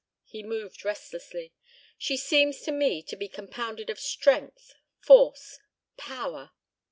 He moved restlessly. "She seems to me to be compounded of strength, force, power.